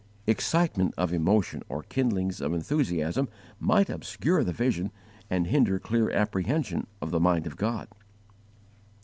Excitement of emotion or kindlings of enthusiasm might obscure the vision and hinder clear apprehension of the mind of God.